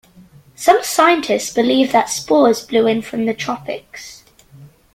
Some scientists believe that spores blew in from the tropics.